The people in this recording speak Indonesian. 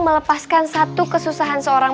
melepaskan satu kesusahan seorang